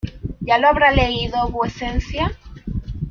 ¿ ya lo habrá leído vuecencia?